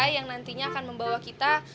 yang nantinya akan membawa kita